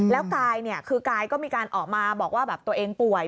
แล้วกายก็มีการออกมาบอกว่าตัวเองป่วย